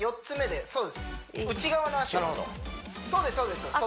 ４つ目でそうです